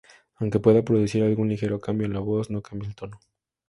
Aunque pueda producir algún ligero cambio en la voz, no cambia el tono.